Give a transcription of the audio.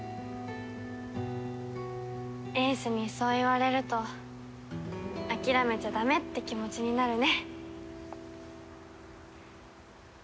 英寿にそう言われると諦めちゃダメって気持ちになるね。